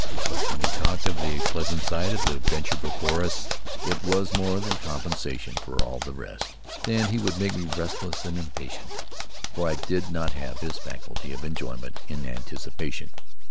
But when he talked of the pleasant side of the adventures before us, it was more than compensation for all the rest. Then he would make me restless and impatient, for I did not have his faculty of enjoyment in anticipation.